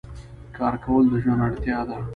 کار کول د ژوند اړتیا ده.